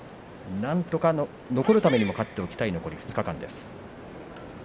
なんとか残るためにも勝っておきたい残り２日間です。